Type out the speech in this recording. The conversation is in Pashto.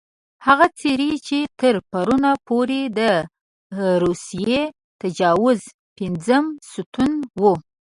هغه څېرې چې تر پرونه پورې د روسي تجاوز پېنځم ستون وو.